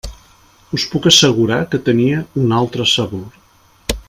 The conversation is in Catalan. Us puc assegurar que tenia un altre sabor.